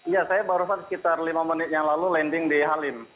ya saya barusan sekitar lima menit yang lalu landing di halim